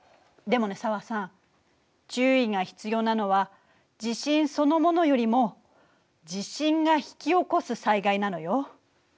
でもね紗和さん注意が必要なのは地震そのものよりも地震が引き起こす災害なのよ。